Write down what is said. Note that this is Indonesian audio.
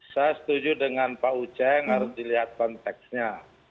saya setuju dengan pak uceng harus dilihat konteksnya